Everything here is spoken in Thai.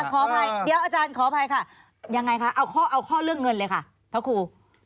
ขออภัยเดี๋ยวอาจารย์ขออภัยค่ะยังไงคะเอาข้อเอาข้อเรื่องเงินเลยค่ะพระครู